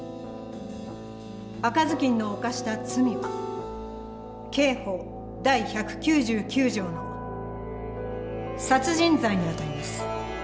赤ずきんの犯した罪は刑法第１９９条の殺人罪にあたります。